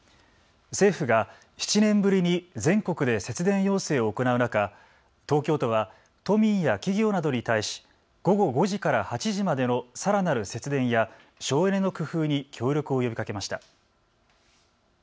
政府が７年ぶりに全国で節電要請を行う中、東京都は都民や企業などに対し午後５時から８時までのさらなる節電や省エネの工夫に協力を呼びかけました。